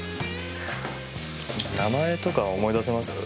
名前とか思い出せます？